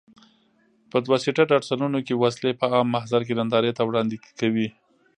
په دوه سیټه ډاټسنونو کې وسلې په عام محضر کې نندارې ته وړاندې کوي.